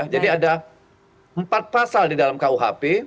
jadi ada empat pasal di dalam kuhp